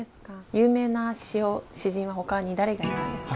有名な詩人はほかに誰がいたんですか？